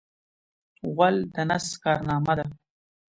غول د نس کارنامه ده.